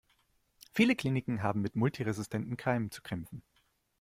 Viele Kliniken haben mit multiresistenten Keimen zu kämpfen.